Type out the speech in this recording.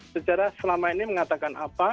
secara selama ini mengatakan apa